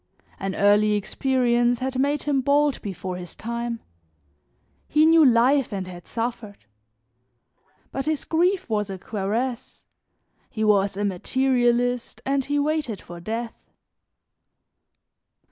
An early experience had made him bald before his time; he knew life and had suffered; but his grief was a cuirass; he was a materialist and he waited for death.